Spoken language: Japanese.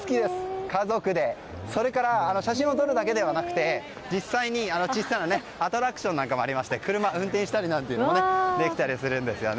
それから写真を撮るだけではなくて実際に小さなアトラクションなどもありまして車を運転したりもできたりします。